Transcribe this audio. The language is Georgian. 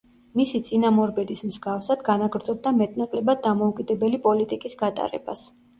მისი წინამორბედის მსგავსად განაგრძობდა მეტ-ნაკლებად დამოუკიდებელი პოლიტიკის გატარებას.